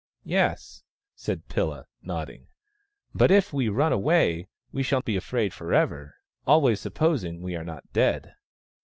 " Yes," said Pilla, nodding. " But if we run away we shall be afraid for ever — always supposing we are not dead."